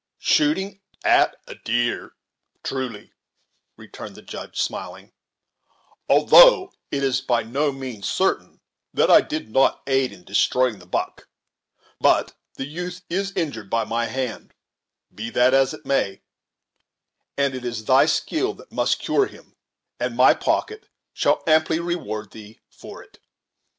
"Shooting at a deer, truly," returned the Judge, smiling, "although it is by no means certain that I did not aid in destroying the buck; but the youth is injured by my hand, be that as it may; and it is thy skill that must cure him, and my pocket shall amply reward thee for it."